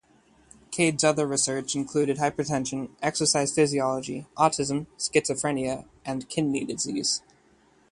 Cade's other research included hypertension, exercise physiology, autism, schizophrenia and kidney disease.